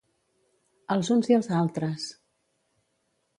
Els uns i els altres.